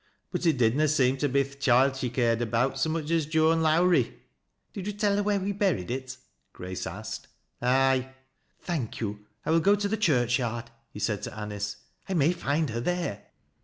But it did na seem to be th' choild she cai ed about so much as Joan Lowrie." " Did you tell her where we buried it ?'"' Grace asked. "Ay." " Thank you. I will go to the church yard," he said to Anice. " I may find her there."